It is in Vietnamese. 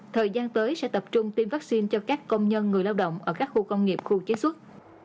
thời gian tới sẽ tập trung tiêm vaccine cho các công nhân người lao động ở các khu công nghiệp khu chế xuất